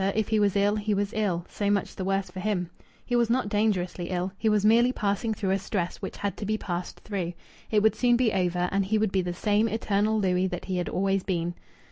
If he was ill, he was ill. So much the worse for him! He was not dangerously ill. He was merely passing through a stress which had to be passed through. It would soon be over, and he would be the same eternal Louis that he had always been.